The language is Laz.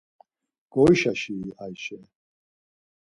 Goişaşi-i Ayşe.